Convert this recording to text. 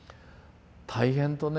大変とね